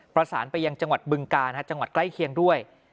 ประสานไปยังจังหวัดบึงกาลจังหวัดใกล้เคียงด้วย